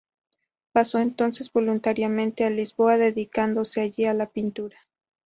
Pasó entonces voluntariamente a Lisboa, dedicándose allí a la pintura.